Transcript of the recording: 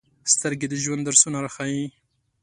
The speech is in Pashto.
سترګې د ژوند درسونه راښيي